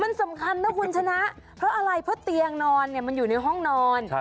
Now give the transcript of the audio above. มันสำคัญนะคุณชนะเพราะอะไรเพราะเตียงนอนเนี่ยมันอยู่ในห้องนอน